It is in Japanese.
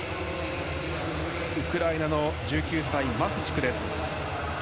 ウクライナの１９歳マフチフです。